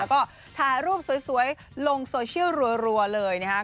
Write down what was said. ก็ถ่ายรูปสวยลงโซเชียลรัวเลยนะฮะ